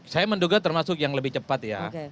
saya menduga termasuk yang lebih cepat ya